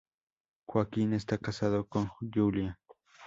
Joaquín esta casado con Julia.